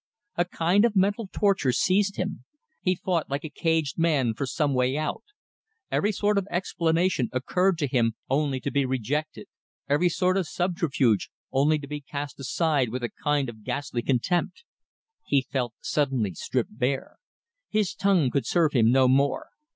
A kind of mental torture seized him. He fought like a caged man for some way out. Every sort of explanation occurred to him only to be rejected, every sort of subterfuge, only to be cast aside with a kind of ghastly contempt. He felt suddenly stripped bare. His tongue could serve him no more.